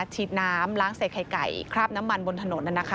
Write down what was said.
ฉีดน้ำล้างเสร็จไข่ไก่คราบน้ำมันบนถนนนะนะคะ